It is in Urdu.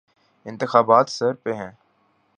انتخابات سر پہ ہیں۔